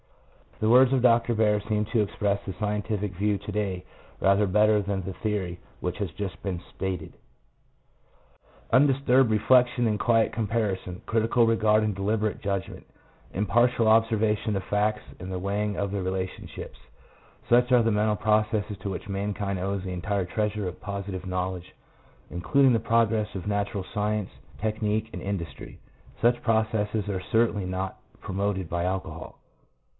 The words of Dr. Baer seem to express the scientific view to day rather better than the theory which has just been stated :—" Undisturbed reflection and quiet comparison, critical regard and deliberate judgment, impartial observation of facts and the weighing of their rela tionships — such are the mental processes to which mankind owes the entire treasure of positive know ledge, including the progress of natural science, technique, and industry. Such processes are certainly not promoted by alcohol."